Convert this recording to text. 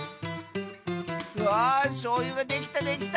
わあしょうゆができたできた！